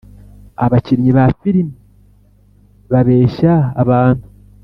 Abakinnyi ba filime babeshya abantu